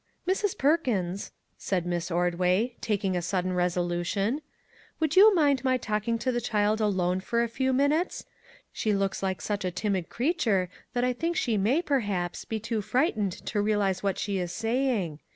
" Mrs. Perkins," said Miss Ordway, taking a sudden resolution, " would you mind my talk ing to the child alone for a few minutes ? She looks like such a timid creature that I think she may, perhaps, be too frightened to realize what she is saying.